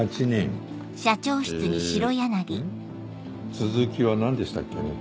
続きは何でしたっけね。